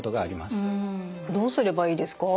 どうすればいいですか？